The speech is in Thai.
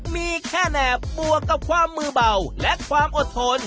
มีแค่แหนบบวกกับความมือเบาและความอดทน